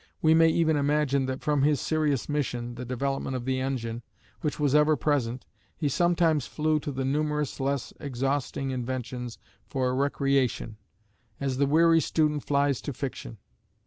We may even imagine that from his serious mission the development of the engine which was ever present, he sometimes flew to the numerous less exhausting inventions for recreation, as the weary student flies to fiction.